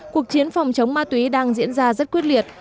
cuộc chiến phòng chống ma túy đang diễn ra rất quyết liệt